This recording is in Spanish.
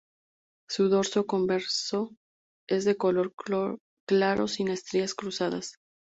Su dorso convexo es de color claro sin estrías cruzadas.